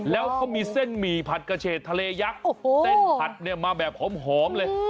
แล้วเขามีเส้นหมี่ผัดกระเฉดทะเลยักษ์เส้นผัดเนี่ยมาแบบหอมเลย